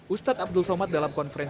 ustadz abdul somad dalam konteks ini